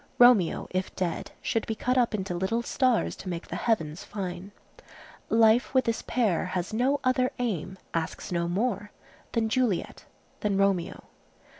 Romeo, if dead, should be cut up into little stars to make the heavens fine. Life, with this pair, has no other aim, asks no more, than Juliet,—than Romeo.